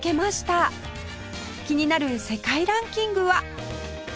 気になる世界ランキングは？